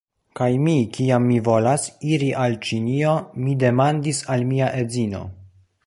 Kaj mi, kiam mi volas iri al Ĉinio, mi demandis al mia edzino: